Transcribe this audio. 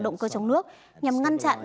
động cơ trong nước nhằm ngăn chặn